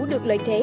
được lợi thế